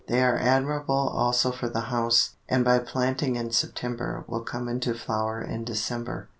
They are admirable also for the house, and by planting in September, will come into flower in December.